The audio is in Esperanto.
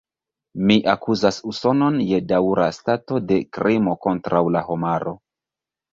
Mi akuzas Usonon je daŭra stato de krimo kontraŭ la homaro.